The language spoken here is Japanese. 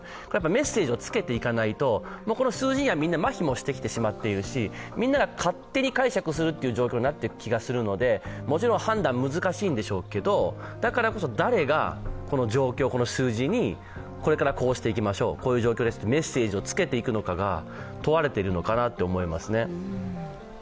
メッセージをつけていかないと数字にはみんな麻痺もしてきてしまっているしみんなが勝手に解釈するという状況になっていく気がするので、もちろん判断、難しいんでしょうけどだからこそ誰がこの状況、この数字にこれからこうしていきましょうこういう状況ですとメッセージをつけていくのかが問われてるのかなと思いますね。